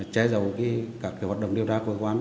che giấu các hoạt động điều tra của quang